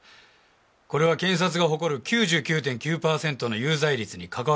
これは検察が誇る９９．９パーセントの有罪率にかかわる問題ですよ。